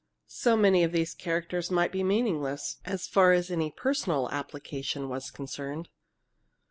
"So many of these characters might be meaningless, as far as any personal application was concerned."